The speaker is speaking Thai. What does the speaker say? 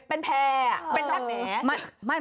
เป็นแผ่เป็นรักแหม